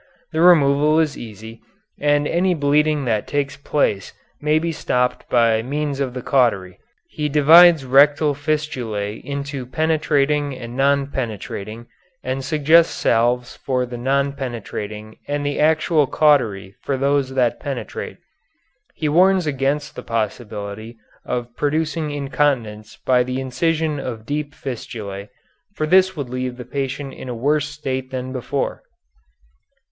The removal is easy, and any bleeding that takes place may be stopped by means of the cautery. He divides rectal fistulæ into penetrating and non penetrating, and suggests salves for the non penetrating and the actual cautery for those that penetrate. He warns against the possibility of producing incontinence by the incision of deep fistulæ, for this would leave the patient in a worse state than before.